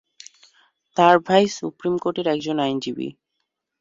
তাঁর ভাই supreme court একজন আইনজীবী।